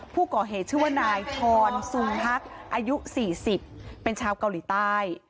ผู้ก่อเหตุชื่อว่านายชรซูมฮักอายุ๔๐เป็นชาวเกาหลีใต้